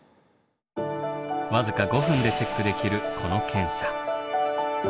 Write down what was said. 僅か５分でチェックできるこの検査。